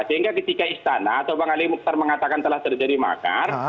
sehingga ketika istana atau bang ali mukhtar mengatakan telah terjadi makar